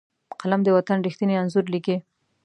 قلم د وطن ریښتیني انځور لیکي